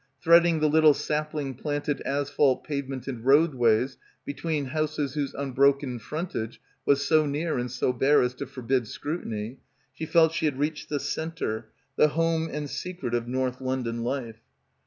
Threading the little sapling planted asphalt pavemented roadways between houses whose unbroken frontage was so near and so bare as to forbid scrutiny, she felt she had reached the centre, the home and secret of North London life.